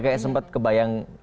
kayak sempat kebayang